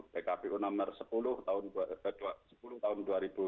bkpu nomor sepuluh tahun dua ribu dua puluh